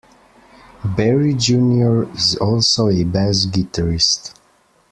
Berry Junior is also a bass guitarist.